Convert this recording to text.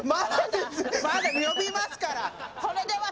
まだ、呼びますから。